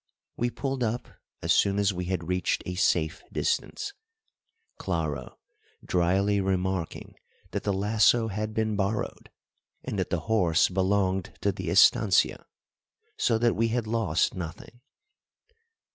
We pulled up as soon as we had reached a safe distance, Claro drily remarking that the lasso had been borrowed, and that the horse belonged to the estancia, so that we had lost nothing.